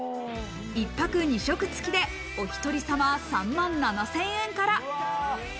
１泊２食付きでお１人様３万７０００円から。